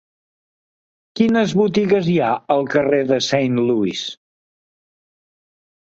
Quines botigues hi ha al carrer de Saint Louis?